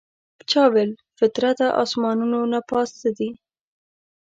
چا ویل فطرته اسمانونو نه پاس څه دي؟